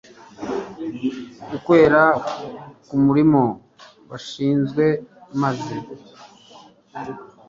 ukwera kumurimo bashinzwe maze